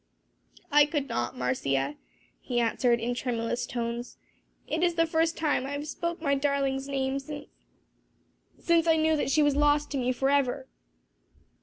"I could not, Marcia," he answered in tremulous tones, "it is the first time I have spoken my darling's name since since I knew that she was lost to me forever."